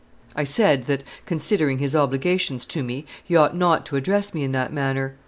I said that, considering his obligations to me, he ought not to address me in that manner.